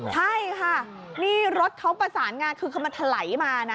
ใช่ค่ะนี่รถเขาประสานงานคือเขามาถลายมานะ